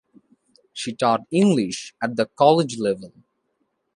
She taught English at the college level.